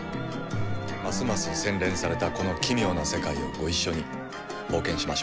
ますます洗練されたこの奇妙な世界をご一緒に冒険しましょう。